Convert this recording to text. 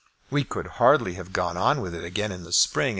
We could hardly have gone on with it again in the spring.